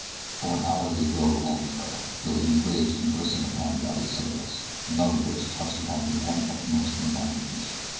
For an hour they rode along the trail, Billy and Bridge conversing upon various subjects, none of which touched upon the one uppermost in the mind of each.